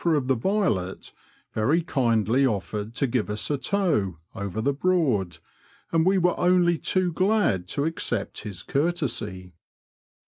The skipper of the Violet very kindly offered to give us a tow over the Broad, and we were only too glad to accept his courtesy.